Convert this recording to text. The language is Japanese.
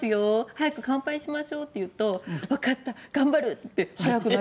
「早く乾杯しましょう」って言うと「わかった！頑張る！」って速くなるんですよ。